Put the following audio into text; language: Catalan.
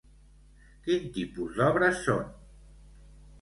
Quin tipus d'obres són?